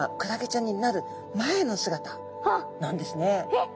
えっ！？